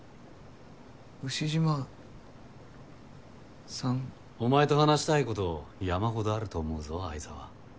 う丑嶋さん？お前と話したいこと山ほどあると思うぞ愛沢。